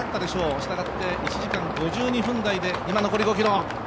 したがって、１時間５２分台で、今、残り５ｋｍ。